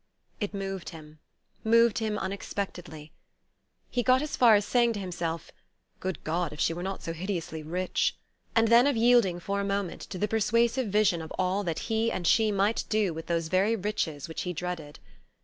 It moved him moved him unexpectedly. He got as far as saying to himself: "Good God, if she were not so hideously rich " and then of yielding for a moment to the persuasive vision of all that he and she might do with those very riches which he dreaded.